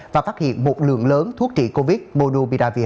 và phát hiện một lượng lớn thuốc trị covid một mươi chín monubiravia